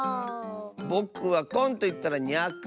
ぼくは「こん」といったら「にゃく」！